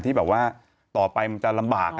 ที่แบบว่าต่อไปมันจะลำบาก